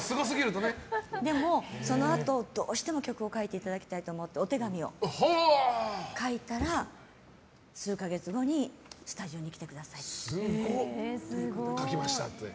でもそのあと、どうしても曲を書いていただきたいと思ってお手紙を書いたら、数か月後にスタジオに来てくださった。